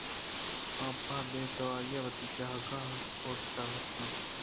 آ پہ بے تواری وتی جاگہ ءَ اوشتاتگ اَت